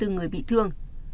hai mươi bốn người bị thương